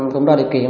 cũng ra điều kiện